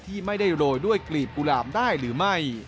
ที่ไม่ได้โรยด้วยกลีบกุหลาบได้หรือไม่